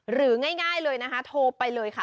หรือง่ายเลยนะคะโทรไปเลยค่ะ